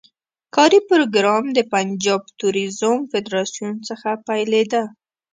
کاري پروګرام د پنجاب توریزم فدراسیون څخه پیلېده.